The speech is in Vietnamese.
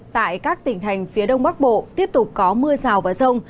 tại các tỉnh thành phía đông bắc bộ tiếp tục có mưa rào và rông